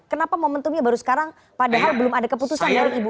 kenapa momentumnya baru sekarang padahal belum ada keputusan dari ibu